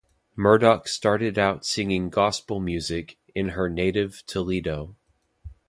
Murdock started out singing gospel music in her native Toledo.